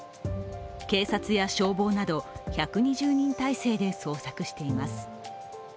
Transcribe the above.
警察や消防など１２０人態勢で捜索しています。